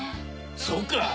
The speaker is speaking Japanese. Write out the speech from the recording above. そうかぁ？